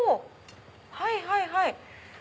はいはいはい。